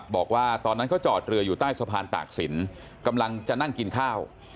บอกว่าตอนนั้นเขาจอดเรืออยู่ใต้สะพานตากศิลป์กำลังจะนั่งกินข้าว